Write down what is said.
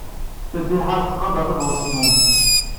Fatiḥa tettqadar tabɣest-nwent.